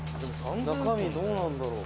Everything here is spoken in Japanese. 「中身どうなんだろう？」